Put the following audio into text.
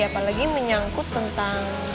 apalagi menyangkut tentang